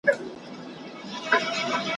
په سلو کي سل توافق موجود وي ,